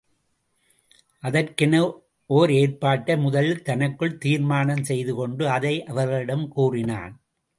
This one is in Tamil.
அதற்கென ஓர் ஏற்பாட்டை முதலில் தனக்குள் தீர்மானம் செய்துகொண்டு அதை அவர்களிடம் கூறினான்.